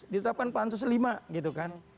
ditetapkan pansus lima gitu kan